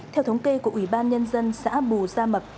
theo thống kê của ủy ban nhân dân xã bù gia mập